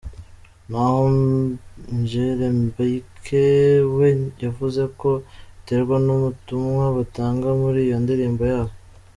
Naho Mjere Mbike we yavuze ko Biterwa n’ubutumwa batanga muri iyo ndirimbo yabo.